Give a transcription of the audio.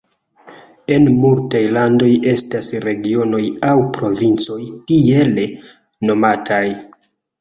En multaj landoj estas regionoj aŭ provincoj tiele nomataj.